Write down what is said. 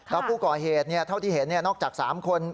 แล้วผู้ก่อเหตุเท่าที่เห็นนอกจาก๓คน